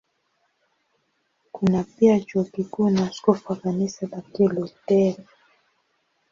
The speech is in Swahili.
Kuna pia Chuo Kikuu na askofu wa Kanisa la Kilutheri.